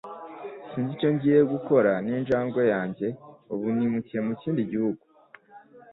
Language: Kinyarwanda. Sinzi icyo ngiye gukora ninjangwe yanjye ubu nimukiye mu kindi gihugu.